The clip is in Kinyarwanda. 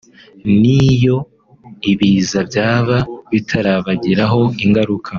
n’iyo ibiza byaba bitarabagiraho ingaruka